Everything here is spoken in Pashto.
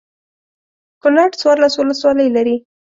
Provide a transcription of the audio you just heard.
کنړ څوارلس ولسوالۍ لري.